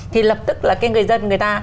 thì lập tức là cái người dân người ta